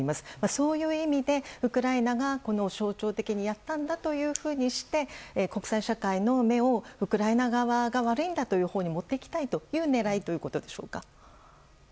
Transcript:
そういう意味で、ウクライナが象徴的にやったんだというふうにして国際社会の目をウクライナ側が悪いんだというほうに持っていきたいという狙いということでしょうか。